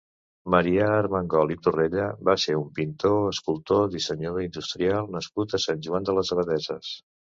Marià Armengol i Torrella va ser un pintor, escultor, dissenyador industrial nascut a Sant Joan de les Abadesses.